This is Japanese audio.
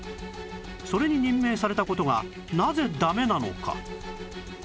それに任命された事がなぜダメなのか？